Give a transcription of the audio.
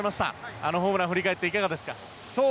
あのホームラン振り返っていかがですか。